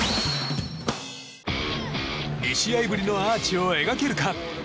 ２試合ぶりのアーチを描けるか。